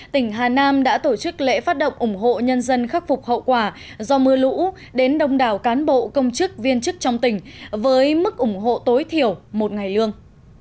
tỉnh hà nam đã tổ chức lễ phát động ủng hộ nhân dân khắc phục hậu quả do mưa lũ đến đông đảo cán bộ công chức viên chức trong tỉnh với mức ủng hộ tối thiểu một ngày lương